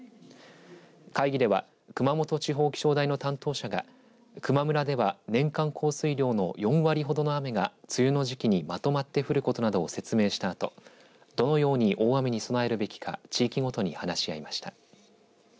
会議では熊本地方気象台の担当者が球磨村では年間降水量の４割ほどの雨が梅雨の時期にまとまって降ることなどを説明したあとどのように大雨に備えるべきか地域ごとに話し合いました。